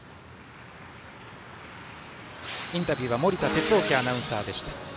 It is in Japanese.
インタビューは森田哲意アナウンサーでした。